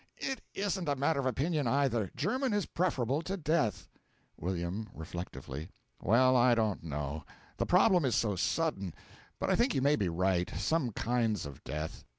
It isn't a matter of opinion either. German is preferable to death. W. (Reflectively.) Well, I don't know the problem is so sudden but I think you may be right: some kinds of death.